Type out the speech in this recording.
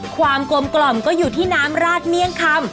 ความกลมกล่อมก็อยู่ที่น้ำราดเมี่ยงคำ